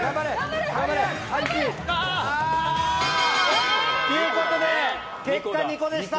頑張れ！ということで結果は２個でした。